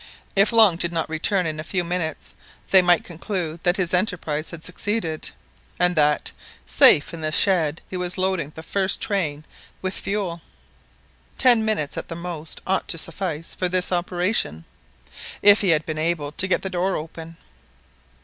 If Long did not return in a few minutes, they might conclude that his enterprise had succeeded, and that, safe in the shed, he was loading the first train with fuel. Ten minutes at the most ought to suffice for this operation, if he had been able to get the door open.